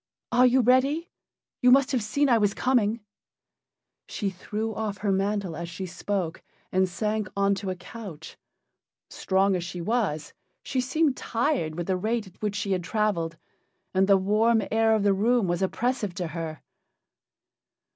Are you ready? You must have seen I was coming." She threw off her mantle as she spoke and sank on to a couch. Strong as she was, she seemed tired with the rate at which she had traveled, and the warm air of the room was oppressive to her.